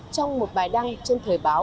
trong một bài đăng trên thời báo